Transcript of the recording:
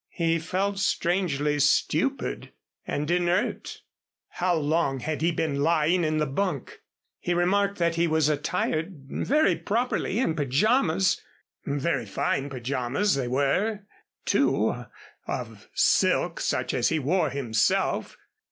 He felt strangely stupid and inert. How long had he been lying in the bunk? He remarked that he was attired very properly in pajamas very fine pajamas they were, too, of silk such as he wore himself.